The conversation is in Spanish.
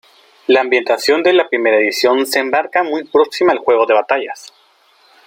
La ambientación de esta primera edición se enmarca muy próxima al juego de batallas.